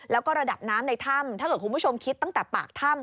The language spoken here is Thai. แล้วก็ระดับน้ำในถ้ำถ้าเกิดคุณผู้ชมคิดตั้งแต่ปากถ้ำ